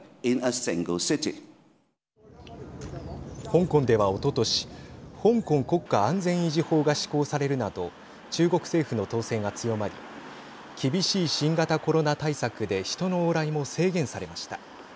香港では、おととし香港国家安全維持法が施行されるなど中国政府の統制が強まり厳しい新型コロナ対策で人の往来も制限されました。